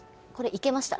行けました。